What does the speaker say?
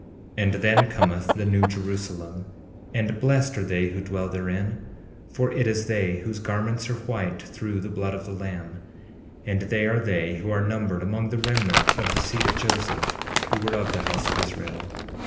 13:10 And then cometh the New Jerusalem; and blessed are they who dwell therein, for it is they whose garments are white through the blood of the Lamb; and they are they who are numbered among the remnant of the seed of Joseph, who were of the house of Israel.